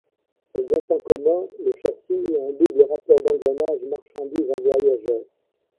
Elles ont en commun le châssis et un double rapport d'engrenage marchandise - voyageur.